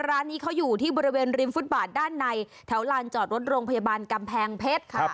ร้านนี้เขาอยู่ที่บริเวณริมฟุตบาทด้านในแถวลานจอดรถโรงพยาบาลกำแพงเพชรค่ะ